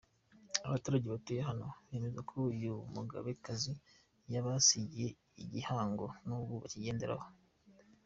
Abaturage batuye hano, bemeza ko uyu mugabekazi yabasigiye igihango na n’ubu bakigenderaho.